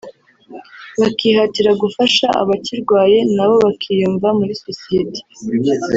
bakihatira gufasha abakirwaye nabo bakiyumva muri sosiyete